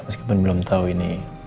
meskipun belum tau ini